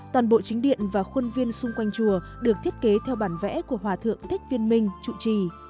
toàn bộ chính điện và khuôn viên xung quanh chùa được thiết kế theo bản vẽ của hòa thượng thích viên minh trụ trì